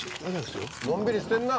のんびりしてるな！